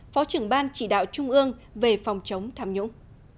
phó trưởng ban chỉ đạo trung ương về phòng chống tham nhũng